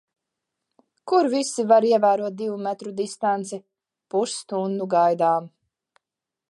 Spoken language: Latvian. Kur visi var ievērot divu metru distanci. Pusstundu gaidām.